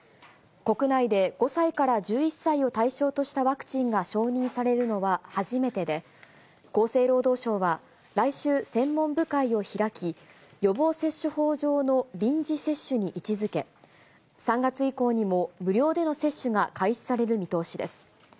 国内で５歳から１１歳を対象としたワクチンが承認されるのは初めてで、厚生労働省は、来週、専門部会を開き、予防接種法上の臨時接種に位置づけ、３月以降にも無料での接種が開始される見通しです。